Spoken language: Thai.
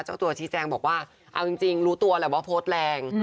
เจ้าตัวชี้แจงบอกว่าเอาจริงรู้ตัวแหละว่าโพสต์แรง